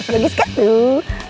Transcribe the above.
bagus kan tuh